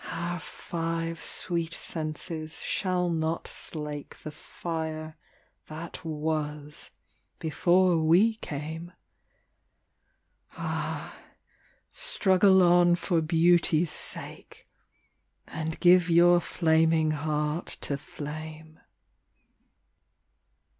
Our five sweet senses shall not slake The fire that was before we came. Ah, struggle on for Beauty's sake And give your flaming heart to flame.